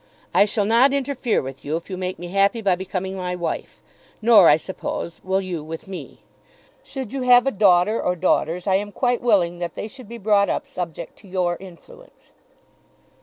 I shall not interfere with you if you make me happy by becoming my wife, nor, I suppose, will you with me. Should you have a daughter or daughters I am quite willing that they should be brought up subject to your influence.